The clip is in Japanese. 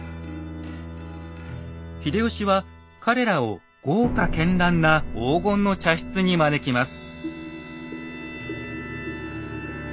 秀吉は彼らを豪華絢爛な黄金の茶室に招きます。